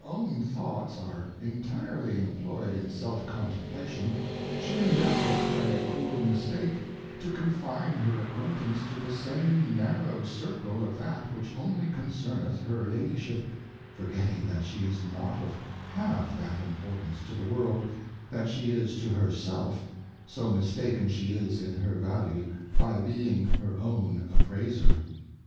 39 own thoughts are intirely imployed in Self Contemplation ; she endeavoureth, by a cruel Mistake^ to confine her Acquaintance to the same narrow Circle of that which only concerneth her Ladiship, forgetting that she is not of half that Importance to the World, that she is to her self, so mistaken she is in her Value, by being her own Appraiser.